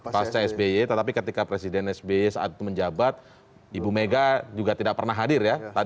pasca sby tetapi ketika presiden sby saat itu menjabat ibu mega juga tidak pernah hadir ya